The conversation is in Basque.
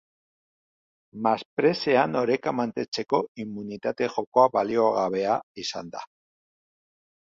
Masprezean oreka mantentzeko immunitate jokoa baliogabea izan da.